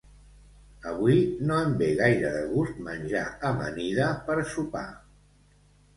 Avui no em ve gaire de gust menjar amanida per sopar